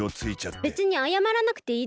べつにあやまらなくていいです。